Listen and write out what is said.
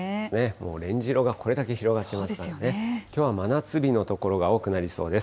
もうオレンジ色がこれだけ広がってますからね、きょうは真夏日の所が多くなりそうです。